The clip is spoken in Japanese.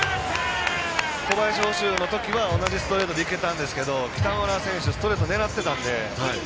小林捕手のときは同じストレートでいけたんですが北村選手ストレート狙ってたんで。